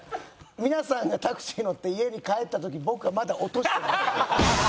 皆さんがタクシー乗って家に帰った時僕はまだ落としてますから。